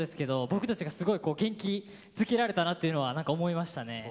僕たちがすごい元気づけられたなっていうのは何か思いましたね。